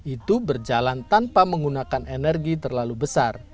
itu berjalan tanpa menggunakan energi terlalu besar